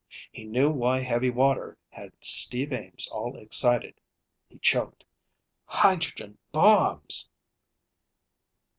He knew why heavy water had Steve Ames all excited. He choked: "Hydrogen bombs!"